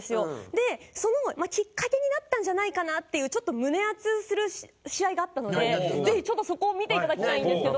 でそのきっかけになったんじゃないかなっていうちょっと胸熱する試合があったのでぜひちょっとそこを見ていただきたいんですけど。